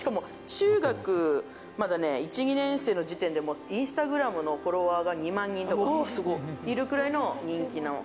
中学のまだ１２年生の時点でインスタグラムのフォロワーが２万人いるくらいの人気者。